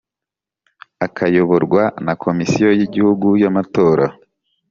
akayoborwa na Komisiyo y Igihugu y Amatora